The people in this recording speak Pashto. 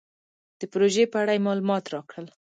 د پروژې په اړه یې مالومات راکړل.